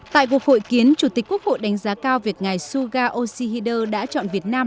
tại cuộc hội kiến chủ tịch quốc hội đánh giá cao việc ngài suga yoshihider đã chọn việt nam